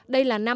đây là năm